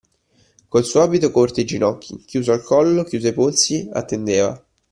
Col suo abito corto ai ginocchi, chiuso al collo, chiuso ai polsi, attendeva.